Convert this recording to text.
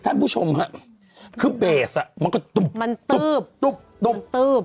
ท่านผู้ชมฮะคือเบสอ่ะมันก็ตุ๊บมันตื๊บตุ๊บตุ๊บตื๊บ